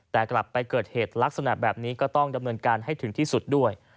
แต่กลับไปเกิดเหตุลักษณะแบบนี้ก็ต้องดำเนินการให้ถึงที่สุดด้วย